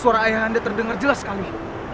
suara ayah anda terdengar jelas sekali